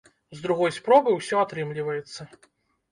З другой спробы ўсё атрымліваецца.